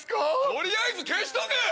取りあえず消しておけ！